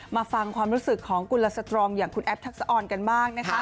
มาฟังความรู้สึกของกุลสตรองอย่างคุณแอฟทักษะออนกันบ้างนะคะ